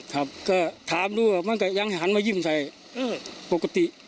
ก็ถามดูว่ายังหันมายิ่มใส่ปกติ